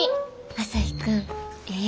朝陽君ええ